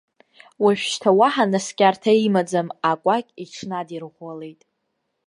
Уажәшьҭа уаҳа наскьарҭа имаӡам, акәакь иҽнадирӷәӷәалеит.